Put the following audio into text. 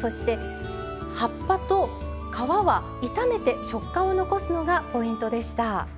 そして葉っぱと皮は炒めて食感を残すのがポイントでした。